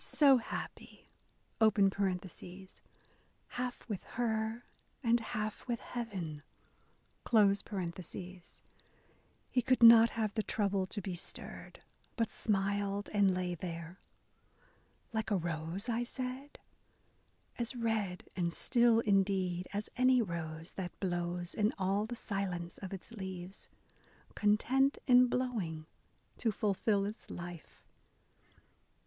So happy (half with her and half with heaven) He could not have the trouble to be stirred, But smiled and lay there. Like a rose, I said? As red and still indeed as any rose, That blows in all the silence of its leaves, Content, in blowing, to fulfil its life.